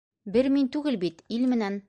Бер мин түгел бит, ил менән.